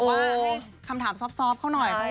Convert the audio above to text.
ให้คำถามซอฟต์เขาหน่อย